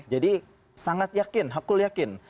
jadi sangat yakin hakul yakin